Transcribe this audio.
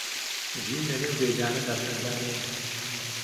ژین لە نێو بێگانەدا تەنگانەیە